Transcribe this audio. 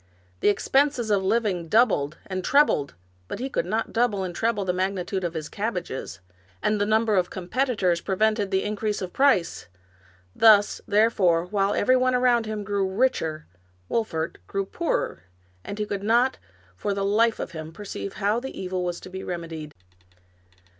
The expenses of living doubled and trebled, but he could not double and treble the magnitude of his cabbages, and the number of competitors prevented the increase of price ; thus, therefore, while everyone around him grew richer, Wolfert grew 167 American Mystery Stories poorer, and he could not, for the hfe of him, perceive how the evil was to be remedied.